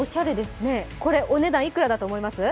これ、お値段いくらだと思います？